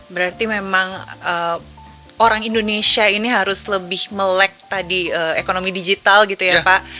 berarti memang orang indonesia ini harus lebih melek tadi ekonomi digital gitu ya pak